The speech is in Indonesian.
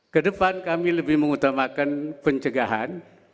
kedepan kami lebih mengutamakan pencegahan